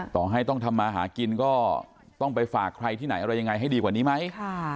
ต่อให้ต้องทำมาหากินก็ต้องไปฝากใครที่ไหนอะไรยังไงให้ดีกว่านี้ไหม